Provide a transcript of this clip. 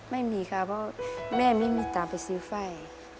ไม่มีครับเพราะแม่ไม่มีตามไปซื้อไฟ